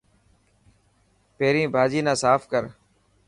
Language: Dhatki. پهرين ڀاڄي نه ساف ڪر.